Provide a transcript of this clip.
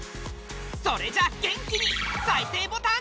それじゃあ元気に再生ボタン。